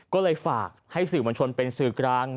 ก็เลยฝากให้สื่อมวลชนเป็นสื่อกลาง